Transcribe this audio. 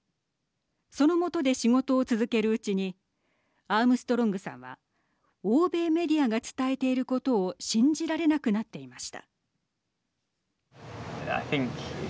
その下で仕事を続けるうちにアームストロングさんは欧米メディアが伝えていることを信じられなくなっていました。